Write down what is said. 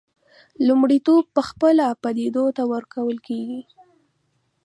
لومړیتوب پخپله پدیدو ته ورکول کېږي.